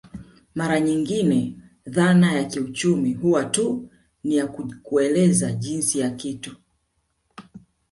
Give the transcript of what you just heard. Mara nyingine dhana ya kiuchumi huwa tu ni ya kueleza jinsi ya kitu